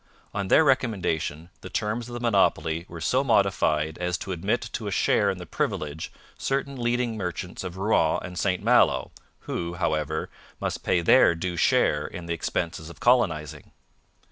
On their recommendation the terms of the monopoly were so modified as to admit to a share in the privilege certain leading merchants of Rouen and St Malo, who, however, must pay their due share in the expenses of colonizing.